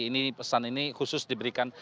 ini pesan ini khusus diberikan